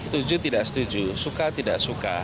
setuju tidak setuju suka tidak suka